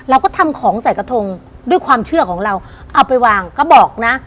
เราก็ทำของใส่กระทงด้วยความเชื่อของเราเอาไปวางก็บอกนะ